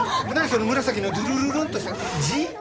その紫のドゥルルルンとした字！？